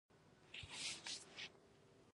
د مڼو د کرم مخه څنګه ونیسم؟